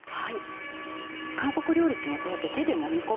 韓国料理ってこうやって手でもみ込む。